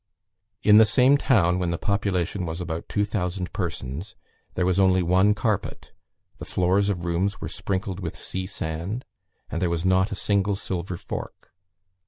"In the same town, when the population was about 2,000 persons, there was only one carpet, the floors of rooms were sprinkled with sea sand, and there was not a single silver fork.